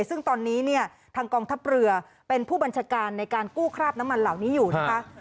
ซึ่งตอนนี้เนี่ยทางกองทัพเรือเป็นผู้บัญชาการในการกู้คราบน้ำมันเหล่านี้อยู่นะคะ